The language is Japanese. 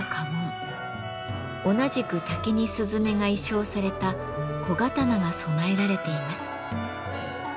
同じく竹にすずめが意匠された小刀が備えられています。